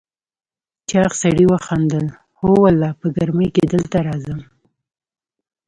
چاغ سړي وخندل: هو والله، په ګرمۍ کې دلته راځم.